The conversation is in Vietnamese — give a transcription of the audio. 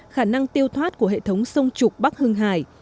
khả năng tiêu thoát của hệ thống sông trục bắc hưng hải